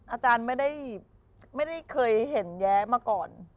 อาจารย์ไม่ได้เคยเห็นแย้มาก่อน